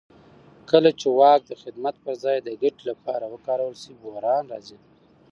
کله چې واک د خدمت پر ځای د ګټې لپاره وکارول شي بحران راځي